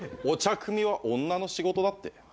お茶くみは女の仕事だって？